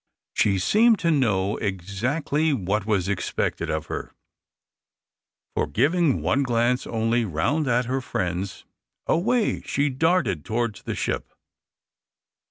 She seemed to know exactly what was expected of her, for, giving one glance only round at her friends, away she darted towards the ship.